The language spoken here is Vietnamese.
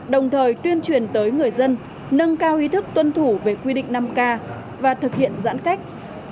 đồng thời tuyên truyền tới người dân nâng cao ý thức tuân thủ về quy định năm k và thực hiện giãn cách